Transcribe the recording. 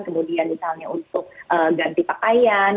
kemudian misalnya untuk ganti pakaian